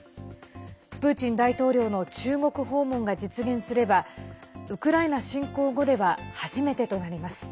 プーチン大統領の中国訪問が実現すればウクライナ侵攻後では初めてとなります。